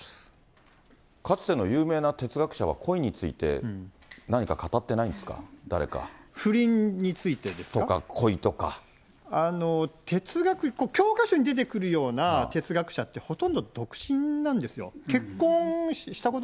かつての有名な哲学者は、恋について何か語ってないですか、誰か。とか、あの、哲学、教科書に出てくるような哲学者って、ほとんど独身なんですよ。